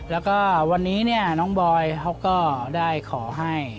แล้วก็วันนี้เนี่ยน้องบอยเขาก็ได้ขอให้